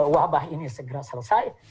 wabah ini segera selesai